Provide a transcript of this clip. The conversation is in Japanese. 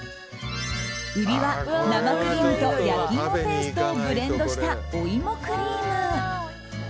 売りは生クリームと焼き芋ペーストをブレンドしたお芋クリーム。